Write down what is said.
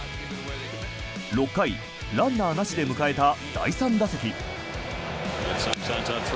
６回、ランナーなしで迎えた第３打席。